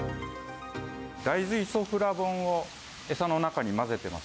大豆イソフラボンを餌の中に混ぜてます。